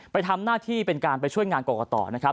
ไปทำหน้าที่เป็นการไปช่วยงานกรกตนะครับ